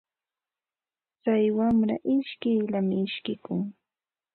Tsay wamra ishkiyllam ishkikun.